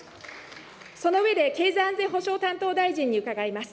その上で、経済安全保障担当大臣に伺います。